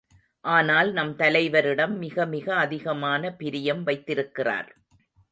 ஆனால், நம் தலைவரிடம் மிகமிக அதிகமான பிரியம் வைத்திருக்கிறார்.